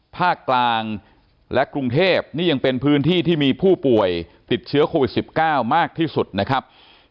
ภาคกลางและกรุงเทพนี่ยังเป็นพื้นที่ที่มีผู้ป่วยติดเชื้อโควิด๑๙มากที่สุดนะครับ